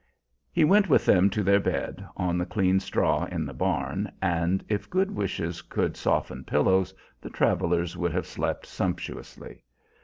He went with them to their bed, on the clean straw in the barn, and if good wishes could soften pillows the travelers would have slept sumptuously.